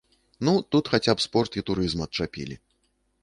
Ну, тут хаця б спорт і турызм адчапілі.